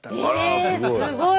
えすごい！